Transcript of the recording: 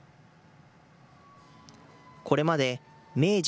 これまで明治、